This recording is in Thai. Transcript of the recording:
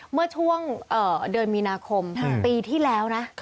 เมื่อช่วงเดือนมีนาคมปีที่แล้วนะ